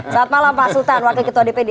selamat malam pak sultan wakil ketua dpd